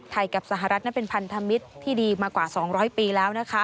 กับสหรัฐนั้นเป็นพันธมิตรที่ดีมากว่า๒๐๐ปีแล้วนะคะ